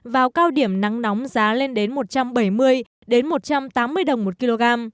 vào cao điểm nắng nóng giá lên đến một trăm bảy mươi một trăm tám mươi đồng một kg